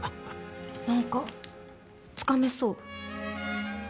何かつかめそう。